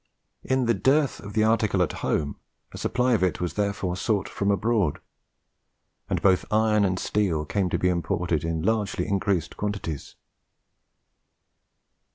In the dearth of the article at home, a supply of it was therefore sought for abroad; and both iron and steel came to be imported in largely increased quantities.